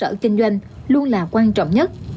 cơ sở kinh doanh luôn là quan trọng nhất